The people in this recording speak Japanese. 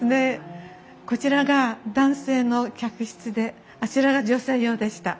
こちらが男性の客室であちらが女性用でした。